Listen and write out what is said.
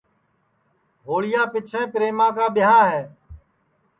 ہوݪی پیچھیں پریما کا ٻیاں ہے